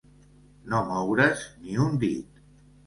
No moure's ni un dit.